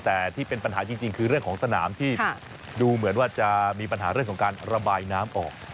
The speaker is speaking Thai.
แต่ที่เป็นปัญหาจริงคือเรื่องของสนามที่ดูเหมือนว่าจะมีปัญหาเรื่องของการระบายน้ำออก